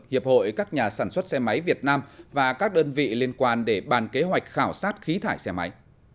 hiệp hội các nhà sản xuất xe máy việt nam và các đơn vị liên quan để bàn kế hoạch khảo sát khí thải xe máy